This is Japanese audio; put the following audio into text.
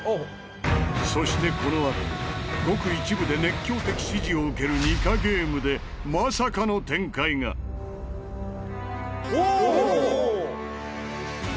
そしてこのあとごく一部で熱狂的支持を受けるニカゲームでおお。